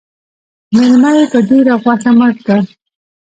_مېلمه يې په ډېره غوښه مړ کړ.